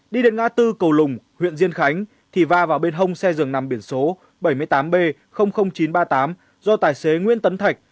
đi đến ngã tư cầu lùng huyện diên khánh thì va vào bên hông xe dường nằm biển số bảy mươi tám b chín trăm ba mươi tám do tài xế nguyễn tấn thạch